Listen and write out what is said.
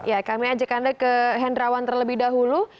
ya kami ajak anda ke hendra wan terlebih dahulu